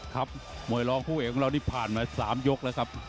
ครับมวยรองคู่เอกของเรานี่ผ่านมา๓ยกแล้วครับ